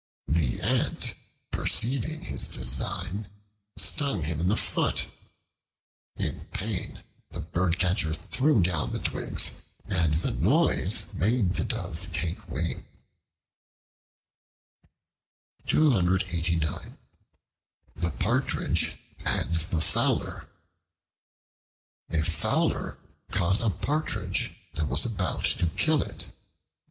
The Ant, perceiving his design, stung him in the foot. In pain the birdcatcher threw down the twigs, and the noise made the Dove take wing. The Partridge and the Fowler A FOWLER caught a Partridge and was about to kill it.